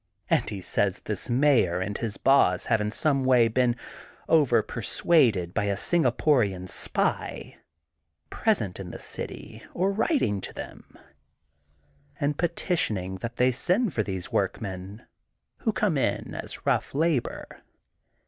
And he says this Mayor and his boss have in some way been over persnaded by a Singaporian spy, present in tiie city or writing to them, and petitioning that they send for these workmen, who come in as rough labor.